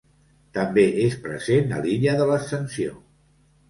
També és present a l'Illa de l'Ascensió.